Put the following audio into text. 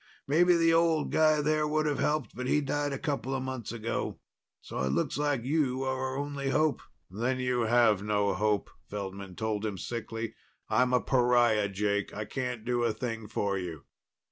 Maybe the old guy there would have helped, but he died a couple months ago. So it looks like you're our only hope." "Then you have no hope," Feldman told him sickly. "I'm a pariah, Jake. I can't do a thing for you."